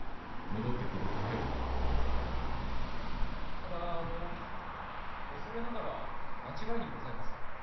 ただあの恐れながら間違いにございまする。